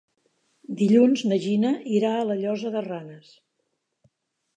Dilluns na Gina irà a la Llosa de Ranes.